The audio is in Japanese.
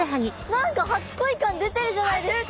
何か初恋かん出てるじゃないですか。